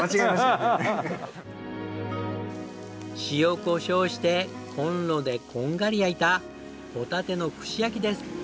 塩コショウしてコンロでこんがり焼いたホタテの串焼きです。